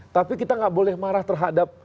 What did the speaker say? tapi kita nggak boleh marah terhadap